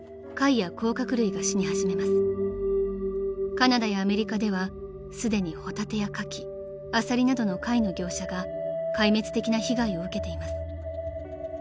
［カナダやアメリカではすでにホタテやカキアサリなどの貝の業者が壊滅的な被害を受けています］